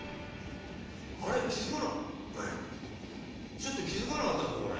ちょっと気付かなかったぞこれ。